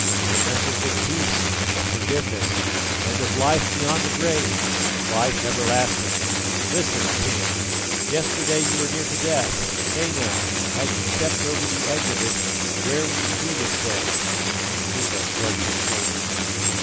"A message of peace, of forgiveness, and of life beyond the grave, of life everlasting. Listen, King. Yesterday you were near to death; say now, had you stepped over the edge of it, where would you be this day?" Umsuka shrugged his shoulders.